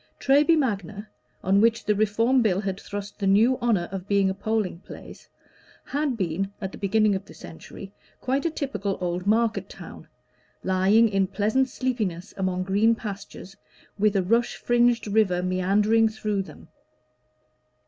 Treby Magna, on which the Reform Bill had thrust the new honor of being a polling place, had been, at the beginning of the century, quite a typical old market town, lying in pleasant sleepiness among green pastures, with a rush fringed river meandering through them.